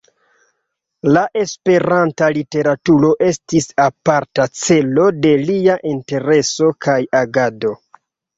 La Esperanta literaturo estis aparta celo de lia intereso kaj agado.